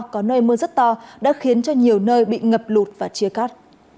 có nơi mưa rất to đã khiến cho nhiều nơi bị ngập lụt và chia cắt